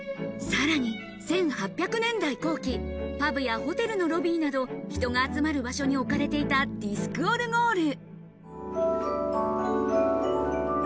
さらに１８００年代後期、パブやホテルのロビーなど、人が集まる場所に置かれていたディスクオルゴール。